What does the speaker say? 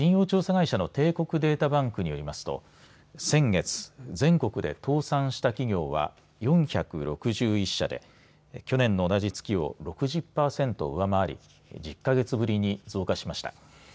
会社の帝国データバンクによりますと先月、全国で倒産した企業は４６１社で去年の同じ月を６０％上回り１０か月ぶりに増加しました。